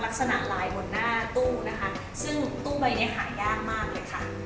ลักษณะลายบนหน้าตู้นะคะซึ่งตู้ใบเนี้ยหายากมากเลยค่ะ